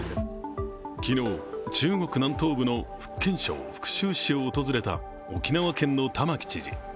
昨日、中国南東部の福建省福州市を訪れた沖縄県の玉城知事。